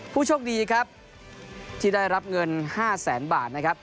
ผู้โชคดีที่ได้รับเงิน๕๐๐๐๐๐บาท